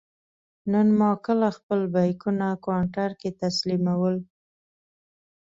نن ما کله خپل بېکونه کاونټر کې تسلیمول.